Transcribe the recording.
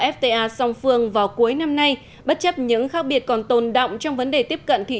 fta song phương vào cuối năm nay bất chấp những khác biệt còn tồn động trong vấn đề tiếp cận thị